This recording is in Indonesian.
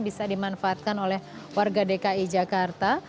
bisa dimanfaatkan oleh warga dki jakarta